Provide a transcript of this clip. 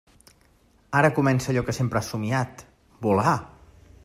Ara comença allò que sempre has somiat: volar!